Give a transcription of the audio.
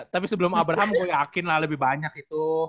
tapi sebelum abraham aku yakin lah lebih banyak itu